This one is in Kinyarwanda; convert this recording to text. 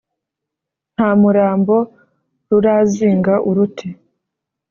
nta murambo rurazinga uruti.